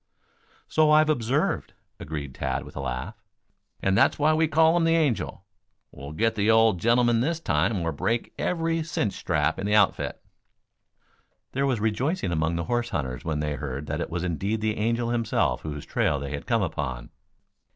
"So I have observed," agreed Tad, with a laugh. "And that's why we call him the Angel. We'll get the old gentleman this time or break every cinch strap in the outfit." There was rejoicing among the horse hunters when they heard that it was indeed the Angel himself whose trail they had come upon.